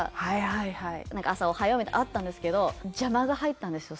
はいはい朝「おはよう」みたいなのあったんですけど邪魔が入ったんですよ